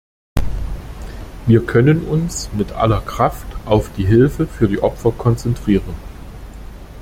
Wir können uns mit aller Kraft auf die Hilfe für die Opfer konzentrieren.